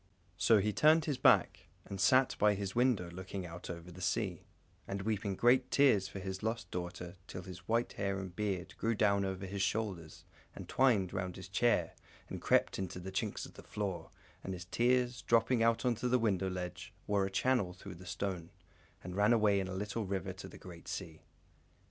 So he turned his back, and sat by his window looking out over the sea, and weeping great tears for his lost daughter, till his white hair and beard grew down over his shoulders and twined round his chair and crept into the chinks of the floor, and his tears, dropping on to the window ledge, wore a channel through the stone, and ran away in a little river to the great sea.